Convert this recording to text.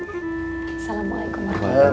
assalamualaikum pak dokter